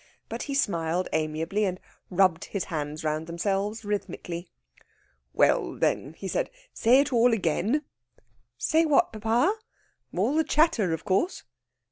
But he smiled amiably, and rubbed his hands round themselves rhythmically. "Well, then!" said he. "Say it all again." "Say what, papa?" "All the chatter, of course."